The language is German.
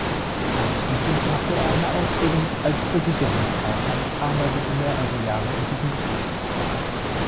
Anschließend machte er eine Ausbildung als Versicherungskaufmann und arbeitete mehrere Jahre in diesem Beruf.